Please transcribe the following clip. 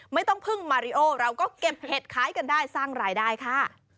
ไม่ต้องพึ่งมาริโอเราก็เก็บเห็ดขายกันได้สร้างรายได้ค่ะ